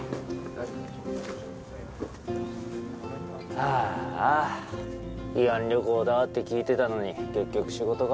あぁあ慰安旅行だって聞いてたのに結局仕事か。